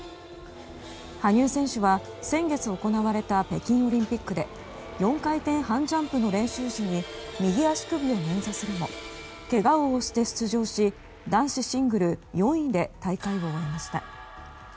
羽生選手は、先月行われた北京オリンピックで４回転半ジャンプの練習時に右足首をねんざするもけがを押して出場し男子シングル４位で大会を終えました。